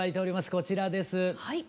こちらです。